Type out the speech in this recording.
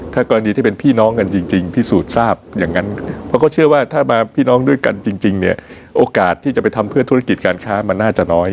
ถ้ากรณีที่เป็นพี่น้องกันจริงพิสูจน์ทราบอย่างนั้นเพราะเขาเชื่อว่าถ้ามาพี่น้องด้วยกันจริงเนี่ยโอกาสที่จะไปทำเพื่อธุรกิจการค้ามันน่าจะน้อย